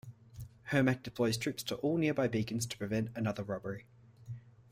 Hermack deploys troops to all nearby Beacons to prevent another robbery.